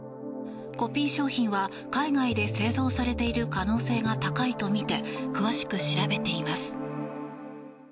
コピー商品は海外で製造されている可能性が高いとみて詳しく調べています。